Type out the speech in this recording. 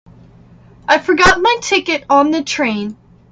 I forgot my ticket on the train.